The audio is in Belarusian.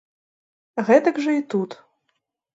Гэтак жа і тут.